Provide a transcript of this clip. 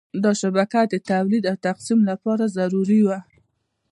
دا شبکه د تولید او تقسیم لپاره ضروري وه.